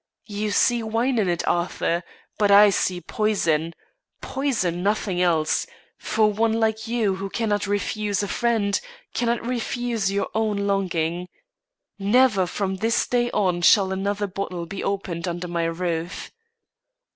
You see wine in it, Arthur; but I see poison poison nothing else, for one like you who cannot refuse a friend, cannot refuse your own longing. Never from this day on shall another bottle be opened under my roof.